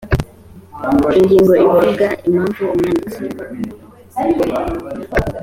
ingingo ivuga impamvu umwanditsi